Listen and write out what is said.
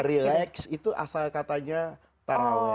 relax itu asal katanya taraweh